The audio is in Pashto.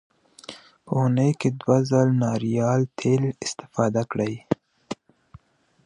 په اونۍ کې دوه ځله ناریال تېل استعمال کړئ.